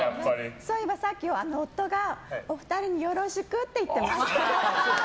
そういえばさっき夫がお二人によろしくって言ってました。